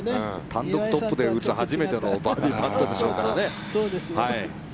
単独トップで打つ初めてのバーディーパットですからね。